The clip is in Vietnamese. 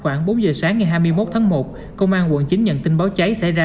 khoảng bốn giờ sáng ngày hai mươi một tháng một công an quận chín nhận tin báo cháy xảy ra